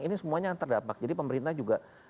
ini semuanya yang terdapat jadi pemerintah juga